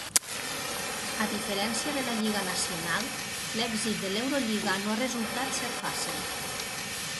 A diferència de la lliga nacional, l'èxit de l'Eurolliga no ha resultat ser fàcil.